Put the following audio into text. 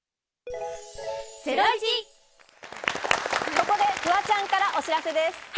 ここでフワちゃんからお知らせです。